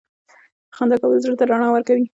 • خندا کول زړه ته رڼا ورکوي.